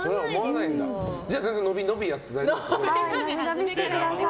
じゃあ、伸び伸びやっても大丈夫ですかね。